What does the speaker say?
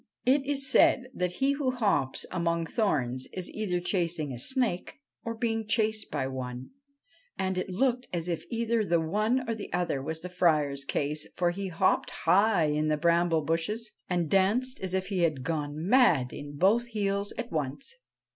It is said that he who hops among thorns is either chasing a snake or being chased by one ; and it looked as if either the one or the other was the Friar's case, for he hopped high in the bramble bushes and danced as if he had gone mad in both heels at once.